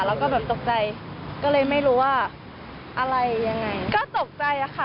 แล้วก็แบบตกใจก็เลยไม่รู้ว่าอะไรยังไงก็ตกใจอะค่ะ